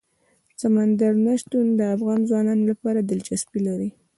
سمندر نه شتون د افغان ځوانانو لپاره دلچسپي لري.